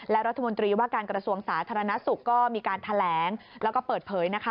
และรัฐมนตรีว่าการกระทรวงสาธารณสุขก็มีการแถลงแล้วก็เปิดเผยนะคะ